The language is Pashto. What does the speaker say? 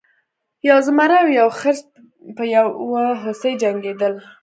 یو زمری او یو خرس په یو هوسۍ جنګیدل.